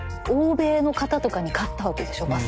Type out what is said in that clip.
欧米の方とかに勝ったわけでしょ？